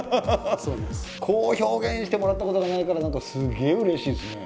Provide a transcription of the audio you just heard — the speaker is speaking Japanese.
こう表現してもらったことがないから何かすげえうれしいですね。